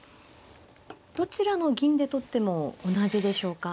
どちらの銀で取っても同じでしょうか。